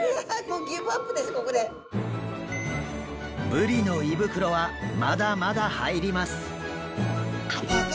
ブリの胃袋はまだまだ入ります！